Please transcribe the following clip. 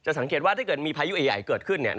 สังเกตว่าถ้าเกิดมีพายุใหญ่เกิดขึ้น